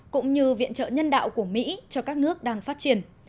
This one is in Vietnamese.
cũng như viện trợ nhân đạo của mỹ cho các nước đang phát triển